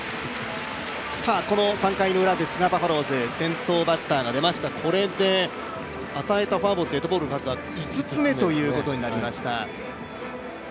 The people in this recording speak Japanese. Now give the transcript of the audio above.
３回ウラですがバファローズ、先頭打者が出ましたがこれで与えたフォアボール、デッドボールの数は５つ目ということになりました。